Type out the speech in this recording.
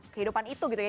kehidupan itu gitu ya